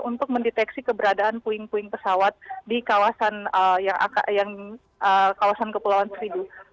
untuk mendeteksi keberadaan puing puing pesawat di kawasan kepulauan seribu